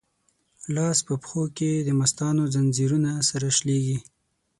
لا په پښو کی دمستانو، ځنځیرونه سره شلیږی